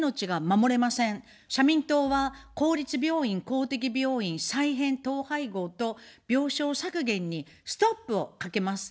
社民党は、公立病院・公的病院再編・統廃合と病床削減にストップをかけます。